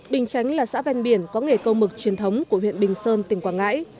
bình chánh là xã ven biển có nghề câu mực truyền thống của huyện bình sơn tỉnh quảng ngãi